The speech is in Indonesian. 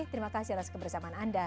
terima kasih atas kebersamaan anda